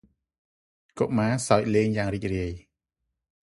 កុមារសើចលេងយ៉ាងរីករាយ។